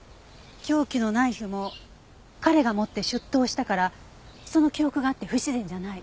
凶器のナイフも彼が持って出頭したからその記憶があって不自然じゃない。